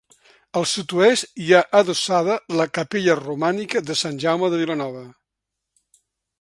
Al sud-oest hi ha adossada la capella romànica de Sant Jaume de Vilanova.